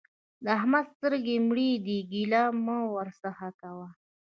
د احمد سترګې مړې دي؛ ګيله مه ورڅخه کوه.